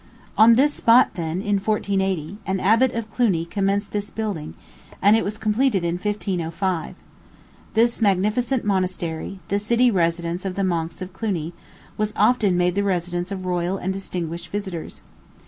On this spot, then, in 1480, an abbot of Cluny commenced this building, and it was completed in 1505. This magnificent monastery the city residence of the monks of Cluny was often made the residence of royal and distinguished visitors.